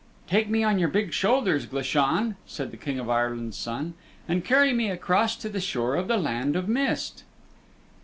"Take me on your big shoulders, Glashan," said the King of Ireland's Son, "and carry me across to the shore of the Land of Mist."